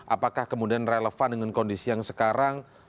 apakah kemudian relevan dengan kondisi yang sekarang